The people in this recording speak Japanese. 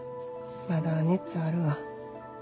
まだ熱あるわ。